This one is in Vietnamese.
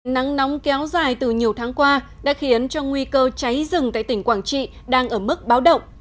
nắng nóng kéo dài từ nhiều tháng qua đã khiến cho nguy cơ cháy rừng tại tỉnh quảng trị đang ở mức báo động